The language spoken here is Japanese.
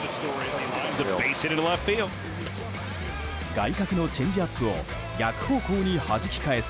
外角のチェンジアップを逆方向にはじき返す